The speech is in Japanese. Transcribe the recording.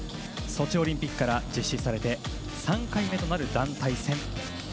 ソチオリンピックから実施されて３回目となる団体戦。